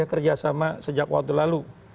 kerjasama sejak waktu lalu